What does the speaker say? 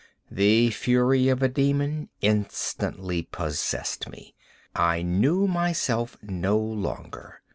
The fury of a demon instantly possessed me. I knew myself no longer.